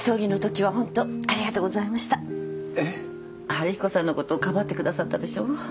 春彦さんのことかばってくださったでしょ。